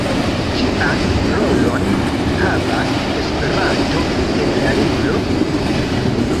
Kian rolon havas Esperanto en la libro?